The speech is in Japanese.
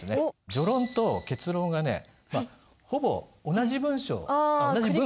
序論と結論がねほぼ同じ文章同じ文。